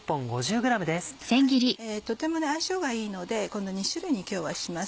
とても相性がいいのでこの２種類に今日はします。